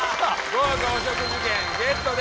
豪華お食事券ゲットです！